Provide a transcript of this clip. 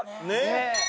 ねえ。